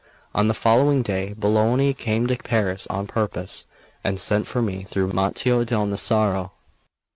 On the following day Bologna came to Paris on purpose, and sent for me through Mattio del Nasaro.